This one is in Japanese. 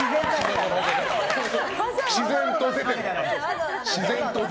自然と出てる！